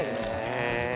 へえ。